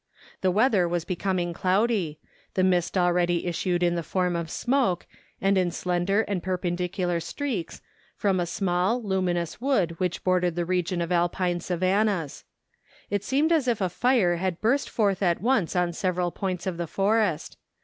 The weather was becoming cloudy ; the mist already issued in the form of smoke, and in slender and perpendicular streaks, from a small, luminous wood which bordered the region of Alpine savannahs. It seemed as if a fire had burst forth at once on several points of the forest.